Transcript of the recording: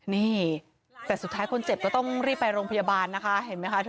นี่แต่สุดท้ายคนเจ็บก็ต้องรีบไปโรงพยาบาลนะคะเห็นไหมคะ